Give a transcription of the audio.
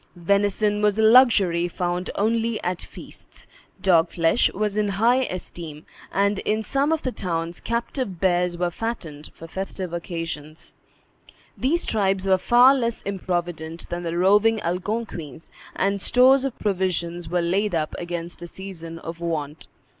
Venison was a luxury found only at feasts; dog flesh was in high esteem; and, in some of the towns captive bears were fattened for festive occasions. These tribes were far less improvident than the roving Algonquins, and stores of provision were laid up against a season of want.